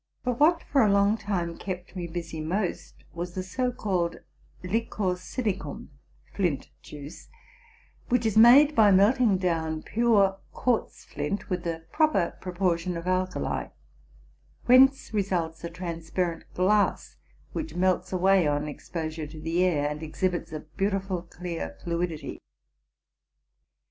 But what, for a long time, kept me busy most, was the so called Liquor Silicum (flint juice) , which is made by melting down pure quartz flint with a proper proportion of alkali, "whence results a transparent glass, which melts away on exposure to the air, and exhibits a beautiful clear fluidity.